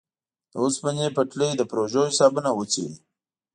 د اوسپنې پټلۍ د پروژو حسابونه وڅېړي.